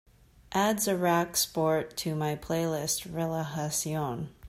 Add ze rak sport to my playlist Relajación